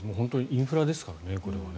インフラですからね。